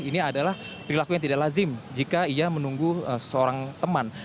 ini adalah perilaku yang tidak lazim jika ia menunggu seorang teman